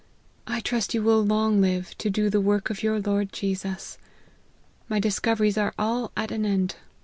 I trust you will long live to do the work of your Lord Jesus. My discoveries are all at an end.